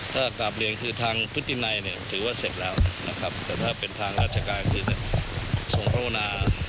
ถ้ากราบเลี้ยงคือทางพฤตินัยถือว่าเสร็จแล้วนะครับแต่ถ้าเป็นทางราชการคือส่งโภนา